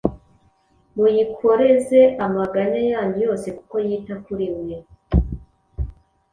muyikoreze amaganya yanyu yose, kuko yita kuri mwe.